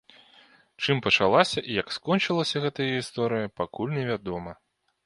Чым пачалася і як скончылася гэтая гісторыя, пакуль невядома.